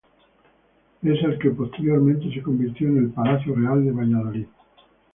Es el que posteriormente se convirtió en el Palacio Real de Valladolid.